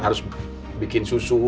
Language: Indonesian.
harus bikin susu